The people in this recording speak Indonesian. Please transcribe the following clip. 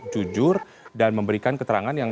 jujur dan memberikan keterangan yang